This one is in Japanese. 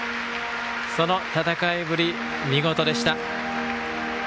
その戦いぶり、見事でした。